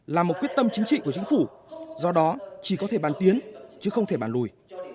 là một quyết tâm chính trị của chính phủ do đó chỉ có thể bàn tiến chứ không thể bàn lùi